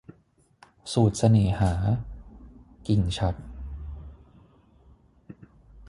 สูตรเสน่หา - กิ่งฉัตร